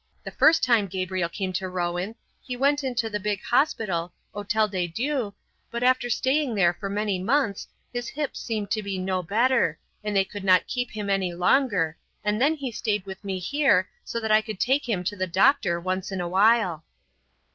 The first time Gabriel came to Rouen, he went into the big hospital 'Hotel de Dieu' but, after staying there for many months, his hip seemed to be no better, and they could not keep him any longer and then he stayed with me here so that I could take him to the doctor once in a while."